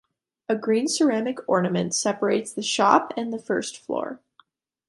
A green ceramic ornament separates the shop and the first floor.